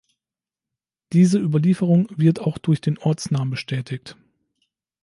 Diese Überlieferung wird auch durch den Ortsnamen bestätigt.